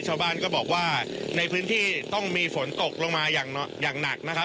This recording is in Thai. ชาวบ้านก็บอกว่าในพื้นที่ต้องมีฝนตกลงมาอย่างหนักนะครับ